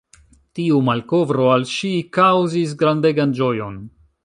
Tiu malkovro al ŝi kaŭzis grandegan ĝojon.